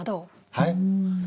はい？